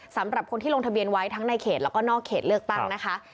สำหรับคนที่ลงทะเบียนไว้ทั้งในเขตแล้วก็นอกเขตเลือกตั้งนะคะ